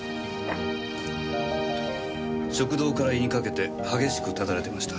食道から胃にかけて激しくただれてました。